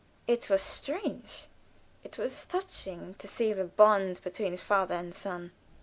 It was strange, it was touching, to see the bond between father and son.